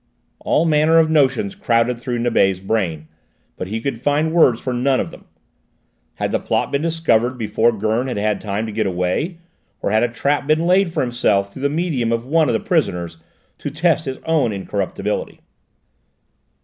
All manner of notions crowded through Nibet's brain, but he could find words for none of them. Had the plot been discovered before Gurn had had time to get away, or had a trap been laid for himself through the medium of one of the prisoners to test his own incorruptibility?